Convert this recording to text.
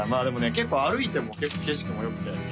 でもね結構歩いても結構景色もよくて。